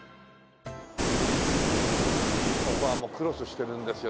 ここはもうクロスしてるんですよ